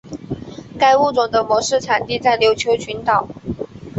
该物种的模式产地在琉球群岛。